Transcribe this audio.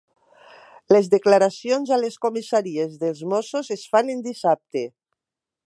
Les declaracions a les comissaries dels Mossos es fan en dissabte.